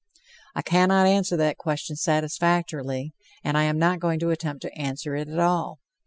I cannot answer that question satisfactorily, and I am not going to attempt to answer it at all.